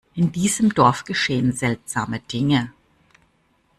In diesem Dorf geschehen seltsame Dinge!